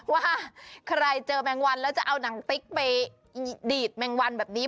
ว่าใครเจอแมงวันแล้วจะเอาหนังติ๊กไปดีดแมงวันแบบนี้